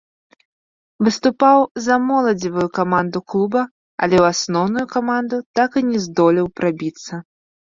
Выступаў за моладзевую каманду клуба, але ў асноўную каманду так і не здолеў прабіцца.